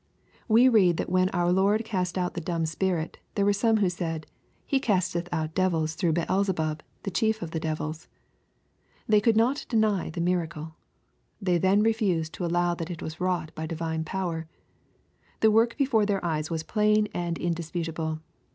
We read, that when our Lord cast out the dumb spirit, there were some who said, " He casteth out devils through Beelzebub, the chief of the devils." They could not deny the miracle. They then refused to allow that it was wrought by divine power. The work before their eyes was plain and indisputable.